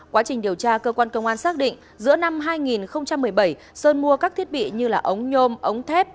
quá trình điều tra cơ quan công an xác định giữa năm hai nghìn một mươi bảy sơn mua các thiết bị như ống nhôm ống thép